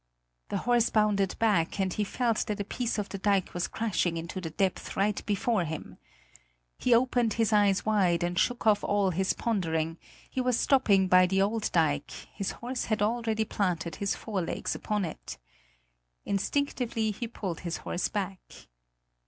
The horse bounded back, and he felt that a piece of the dike was crashing into the depth right before him. He opened his eyes wide and shook off all his pondering: he was stopping by the old dike; his horse had already planted his forelegs upon it. Instinctively he pulled his horse back.